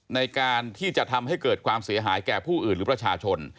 ในการที่จะทำให้เกิดความเสียหายแก่ผู้อื่นหรือประชาชน